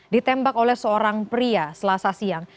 ditembak oleh seorang pria selasa siang